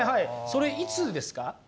それいつですか？